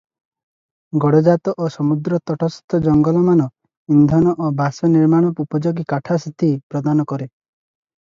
ଗଡ଼ଜାତ ଓ ସମୁଦ୍ରତଟସ୍ଥ ଜଙ୍ଗଲମାନ ଇନ୍ଧନ ଓ ବାସ ନିର୍ମାଣ ଉପଯୋଗୀ କାଷ୍ଠାଦି ପ୍ରଦାନ କରେ ।